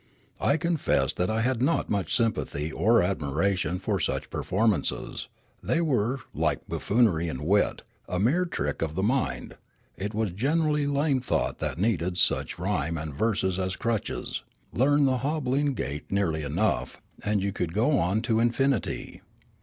I confessed that I had not much sympathy or admiration for such performances ; they were, like buffoonery and wit, a mere trick of the mind ; it was generally lame thought that needed such rhyme and verses as crutches ; learn the hobbling gait earl}' enough, and you could go on to infinity.